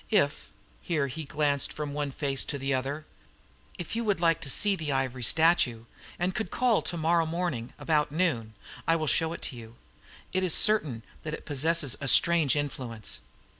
If" here he glanced from one face to the other "if you would like to see the ivory statue, and could call to morrow morning about noon, I will show it to you. It is certain that it possesses a strange influence."